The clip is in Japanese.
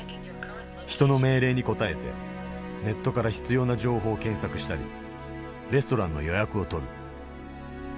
人の命令に応えてネットから必要な情報を検索したりレストランの予約を取る。